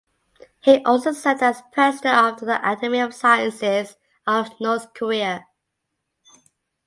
He also served as President of the Academy of Sciences of North Korea.